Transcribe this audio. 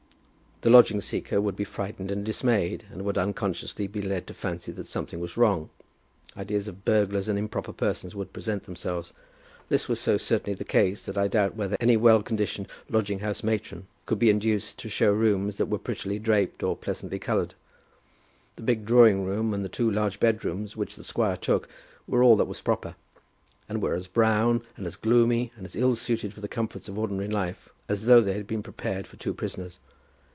The lodging seeker would be frightened and dismayed, and would unconsciously be led to fancy that something was wrong. Ideas of burglars and improper persons would present themselves. This is so certainly the case that I doubt whether any well conditioned lodging house matron could be induced to show rooms that were prettily draped or pleasantly coloured. The big drawing room and two large bedrooms which the squire took, were all that was proper, and were as brown, and as gloomy, and as ill suited for the comforts of ordinary life as though they had been prepared for two prisoners.